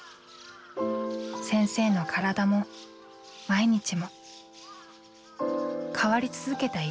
先生の体も毎日も変わり続けた１年でした。